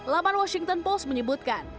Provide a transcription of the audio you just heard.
laman washington post menyebutkan